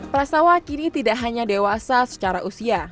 pras tawa kini tidak hanya dewasa secara usia